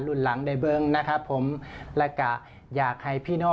คุณหนุ่มนักค่ะ